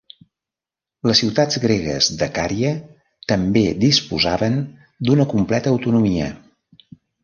Les ciutats gregues de Cària també disposaven d'una completa autonomia.